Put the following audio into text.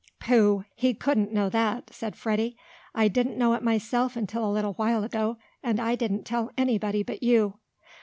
"Pooh. He couldn't know that," said Freddie. "I didn't know it myself until a little while ago, and I didn't tell anybody but you."